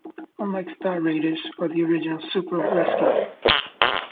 Unlike "Star Raiders", or the original "Super", "Rescue!